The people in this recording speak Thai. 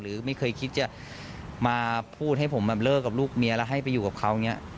หรือไม่เคยคิดจะมาพูดให้ผมแบบเลิกกับลูกเมียแล้วให้ไปอยู่กับเขาอย่างนี้